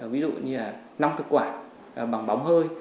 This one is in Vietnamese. ví dụ như là nong thực quả bằng bóng hơi